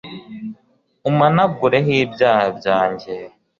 umpanagureho ibyaha byanjye